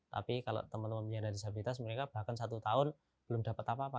tapi kalau teman teman penyandang disabilitas mereka bahkan satu tahun belum dapat apa apa